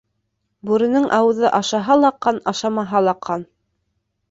Бүренең ауыҙы ашаһа ла ҡан, ашамаһа ла ҡан.